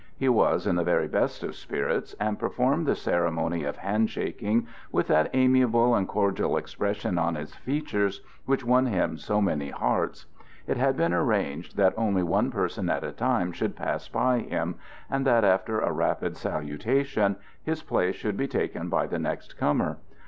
He was in the very best of spirits and performed the ceremony of handshaking with that amiable and cordial expression on his features which won him so many hearts. It had been arranged that only one person at a time should pass by him, and that after a rapid salutation his place should be taken by the next comer.